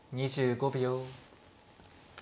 ２５秒。